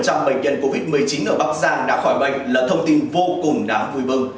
hơn tám mươi bệnh nhân covid một mươi chín ở bắc giang đã khỏi bệnh là thông tin vô cùng đáng vui vương